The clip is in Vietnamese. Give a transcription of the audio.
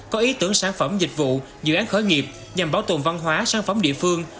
có ý tưởng sản phẩm dịch vụ dự án khởi nghiệp nhằm bảo tồn văn hóa sản phẩm địa phương